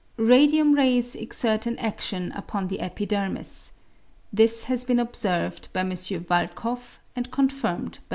Radium rays exert an atflion upon the epidermis. This has been observed by M. Walkhoff and confirmed by M.